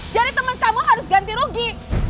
jadi temen kamu harus ganti rugi